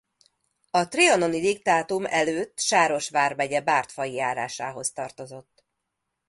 A trianoni diktátum előtt Sáros vármegye Bártfai járásához tartozott.